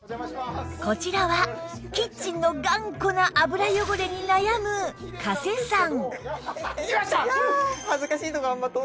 こちらはキッチンの頑固な油汚れに悩む加瀬さん